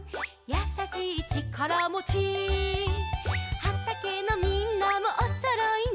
「やさしいちからもち」「はたけのみんなもおそろいね」